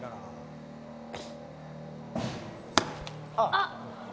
あっ。